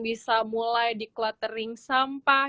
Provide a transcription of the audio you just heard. bisa mulai di clottering sampah